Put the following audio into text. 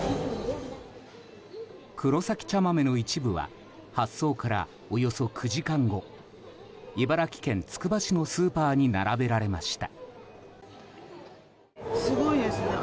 くろさき茶豆の一部は発送からおよそ９時間後茨城県つくば市のスーパーに並べられました。